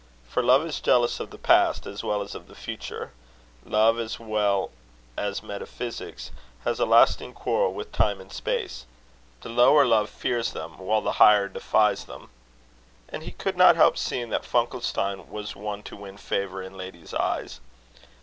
for love is jealous of the past as well as of the future. Love, as well as metaphysics, has a lasting quarrel with time and space: the lower love fears them, while the higher defies them. And he could not help seeing that Funkelstein was one to win favour in ladies' eyes.